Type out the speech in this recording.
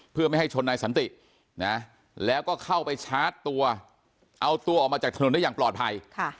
เพื่อไม่ให้ชนนายสันตินะแล้วก็เข้าไปชาร์จตัวเอาตัวออกมาจากถนนได้อย่างปลอดภัย